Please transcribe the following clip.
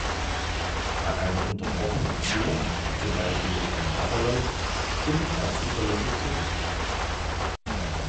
Bei einer unterbrochenen Spur, zum Beispiel durch einen Wasserlauf, findet er zuverlässig zurück.